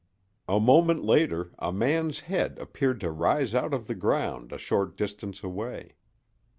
A moment later a man's head appeared to rise out of the ground a short distance away.